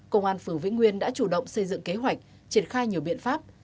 công an phường vĩnh nguyên đã chủ động xây dựng kế hoạch triển khai nhiều biện pháp